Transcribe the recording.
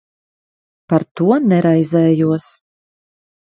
Par to neraizējos.